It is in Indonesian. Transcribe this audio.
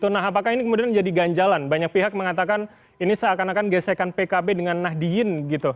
nah apakah ini kemudian jadi ganjalan banyak pihak mengatakan ini seakan akan gesekan pkb dengan nahdiyin gitu